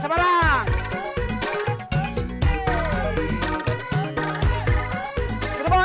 serban serban serban